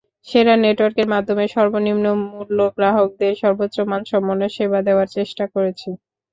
সেরা নেটওয়ার্কের মাধ্যমে সর্বনিম্ন মূল্যে গ্রাহকদের সর্বোচ্চ মানসম্পন্ন সেবা দেওয়ার চেষ্টা করেছি।